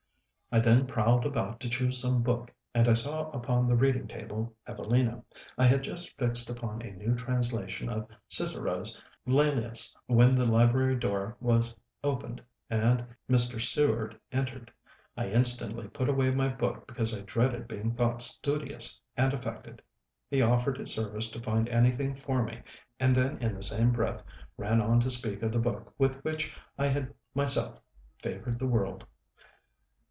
I then prowled about to choose some book, and I saw upon the reading table 'Evelina.' I had just fixed upon a new translation of Cicero's Lælius, when the library door was opened, and Mr. Seward entered. I instantly put away my book because I dreaded being thought studious and affected. He offered his services to find anything for me, and then in the same breath ran on to speak of the book with which I had myself "favored the world"!